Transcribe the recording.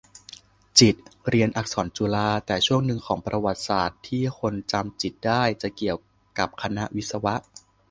จิตรเรียนอักษรจุฬา แต่ช่วงหนึ่งของประวัติศาสตร์ที่คนจำจิตรได้ จะเกี่ยวกับคณะวิศวะ